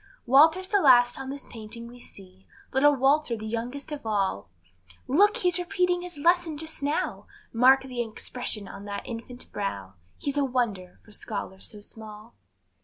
Walter's the last on the painting we see, Little Walter, the youngest of all; Look! he's repeating his lesson just now, Mark the expression on that infant brow, He's a wonder, for scholar so small.